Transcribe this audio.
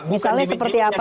misalnya seperti apa